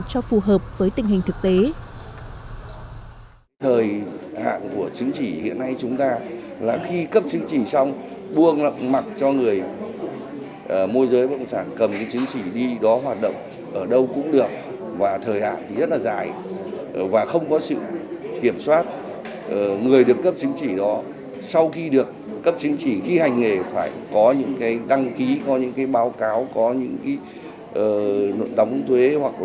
cho phù hợp với tình hình thực tế